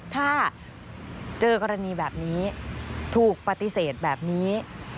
ถ้าเจอกรณีแบบนี้ถูกปฏิเสธแบบนี้